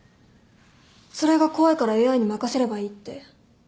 それが怖いからＡＩに任せればいいって？